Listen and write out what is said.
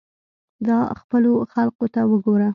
دا خپلو خلقو ته وګوره.